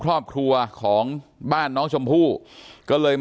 การแก้เคล็ดบางอย่างแค่นั้นเอง